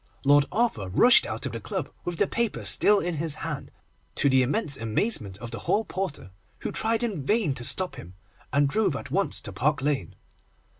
Lord Arthur rushed out of the club with the paper still in his hand, to the immense amazement of the hall porter, who tried in vain to stop him, and drove at once to Park Lane.